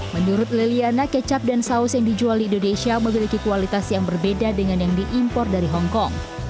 menurut liliana kecap dan saus yang dijual di indonesia memiliki kualitas yang berbeda dengan yang diimpor dari hongkong